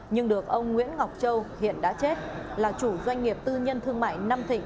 nhưng được ông nguyễn ngọc châu hiện đã chết là chủ doanh nghiệp tư nhân thương mại nam thịnh